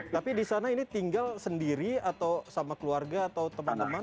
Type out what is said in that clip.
tapi di sana ini tinggal sendiri atau sama keluarga atau teman teman